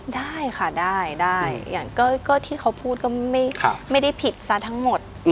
ได้ค่ะได้ได้อย่างก็ที่เขาพูดก็ไม่ได้ผิดซะทั้งหมด